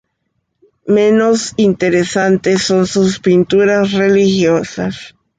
Menos interesantes son sus pinturas religiosas.